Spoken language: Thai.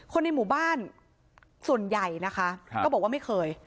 ในหมู่บ้านส่วนใหญ่นะคะก็บอกว่าไม่เคย